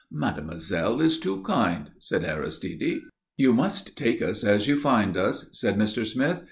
"Mademoiselle is too kind," said Aristide. "You must take us as you find us," said Mr. Smith.